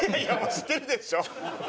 知ってるでしょ？